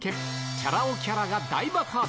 チャラ男キャラが大爆発。